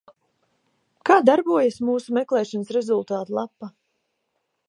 Kā darbojas mūsu meklēšanas rezultātu lapa?